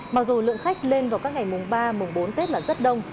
mặc dù lượng khách lên vào các ngày mùng ba mùng bốn tết là rất đông